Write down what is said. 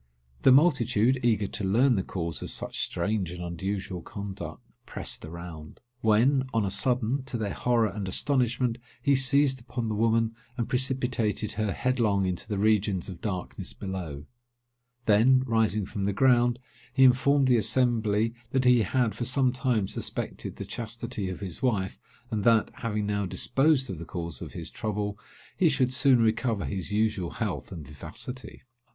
The multitude, eager to learn the cause of such strange and unusual conduct, pressed around; when, on a sudden, to their horror and astonishment, he seized upon the woman, and precipitated her headlong into the regions of darkness below; then, rising from the ground, he informed the assembly, that he had for some time suspected the chastity of his wife, and that, having now disposed of the cause of his trouble, he should soon recover his usual health and vivacity.